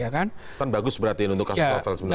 kan bagus berarti untuk kasus novel sebenarnya